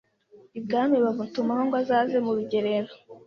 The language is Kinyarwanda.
ibwami bamutumaho ngo azaze mu rugerero.